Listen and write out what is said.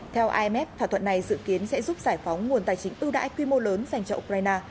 theo imf thỏa thuận này dự kiến sẽ giúp giải phóng nguồn tài chính ưu đãi quy mô lớn dành cho ukraine